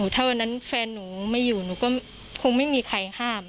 ถ้าวันนั้นแฟนหนูไม่อยู่หนูก็คงไม่มีใครห้าม